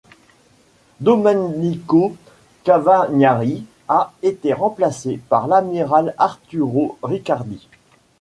Domenico Cavagnari a été remplacé par l'amiral Arturo Riccardi.